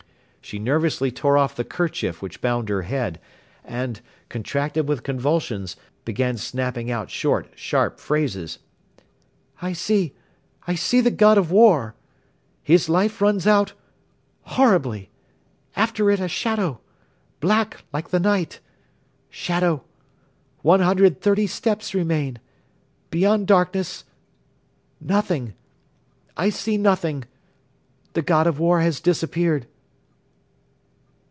She nervously tore off the kerchief which bound her head and, contracted with convulsions, began snapping out short, sharp phrases. "I see ... I see the God of War. ... His life runs out ... horribly. ... After it a shadow ... black like the night. ... Shadow. ... One hundred thirty steps remain. ... Beyond darkness. ... Nothing ... I see nothing. ... The God of War has disappeared.